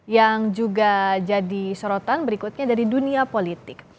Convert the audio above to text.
yang juga jadi sorotan berikutnya dari dunia politik